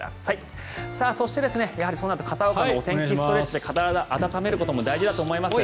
そして、そうなると片岡のお天気ストレッチで体を温めることも大事だと思います。